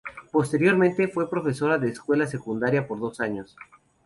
Posteriormente, fue profesora de escuela secundaria por dos años.